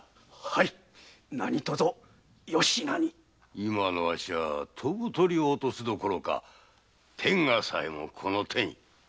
今のわしは飛ぶ鳥を落とすどころか天下さえもこの手に。